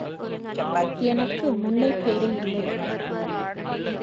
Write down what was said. எனக்கு முன்னைப் பேறு இல்லை.